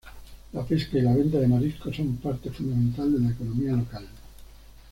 Las pesca y la venta de mariscos son parte fundamental de la economía local.